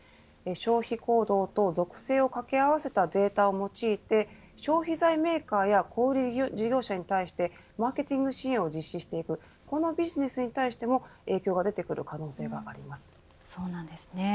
消費動向と属性をかけあわせたデータを用いて消費財メーカーや小売り事業者に対してマーケティング支援を実施していくこのビジネスに対しても影響が出てくるそうなんですね。